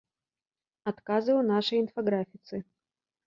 Адказы ў нашай інфаграфіцы.